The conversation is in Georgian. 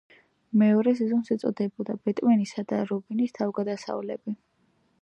მეორე სეზონს ეწოდებოდა ბეტმენის და რობინის თავგადასავლები.